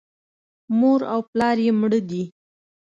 مور او پلار یې مړه دي .